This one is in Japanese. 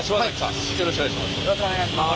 よろしくお願いします。